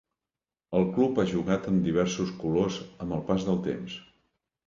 El club ha jugat amb diversos colors amb el pas del temps.